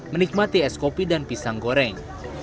menikmati es kopi dan pisang goreng